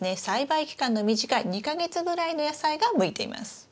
栽培期間の短い２か月ぐらいの野菜が向いています。